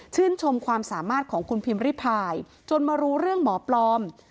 ชมความสามารถของคุณพิมพ์ริพายจนมารู้เรื่องหมอปลอม